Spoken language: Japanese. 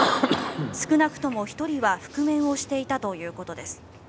少なくとも１人は覆面をしていたということです。